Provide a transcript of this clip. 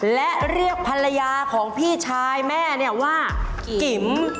และเรียกภรรยาของพี่ชายแม่เนี่ยว่ากิ๋ม